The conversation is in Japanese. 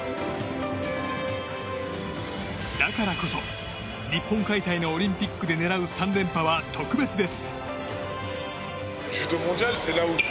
だからこそ、日本開催のオリンピックで狙う３連覇は特別です。